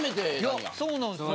いやそうなんですよ。